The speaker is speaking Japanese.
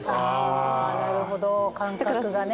なるほど感覚がね。